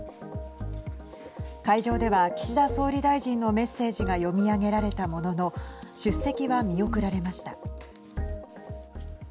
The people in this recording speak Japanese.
会場では、岸田総理大臣のメッセージが読み上げられたものの出席は見送られました。